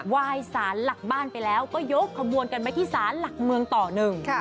วายสารหลักบ้านไปแล้วก็ยกขบวนกันไปที่ศาลหลักเมืองต่อหนึ่ง